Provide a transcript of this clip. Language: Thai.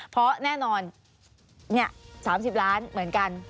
เพราะแน่นอน๓๐ล้านเหมือนกัน